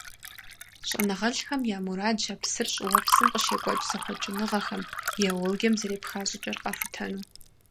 ЩӀэныгъэлӀхэм я мурадщ а псыр щӀыуэпсым къыщекӀуэкӀ зэхъуэкӀыныгъэхэм, геологием зэрепха щӀыкӀэр къахутэну.